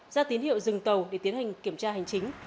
ra tín hiệu dừng tàu để tiến hành kiểm tra hành chính